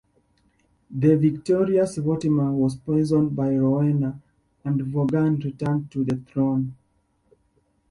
The victorious Vortimer was poisoned by Rowena, and Vortigern returned to the throne.